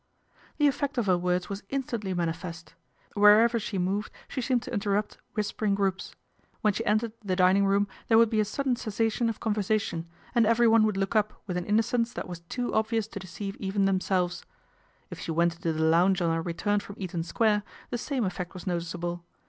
The effect of her words was instantly manifest. Wherever she moved she seemed to interrupt whispering groups. When she entered the dining room there would be a sudden cessation of con versation, and everyone would look up with an innocence that was too obvious to deceive even themselves. If she went into the lounge on her return from Eaton Square, the same effect was noticeable.